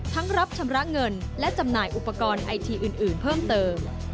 รับชำระเงินและจำหน่ายอุปกรณ์ไอทีอื่นเพิ่มเติม